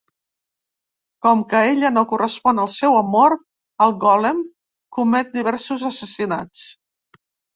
Com que ella no correspon al seu amor, el gòlem comet diversos assassinats.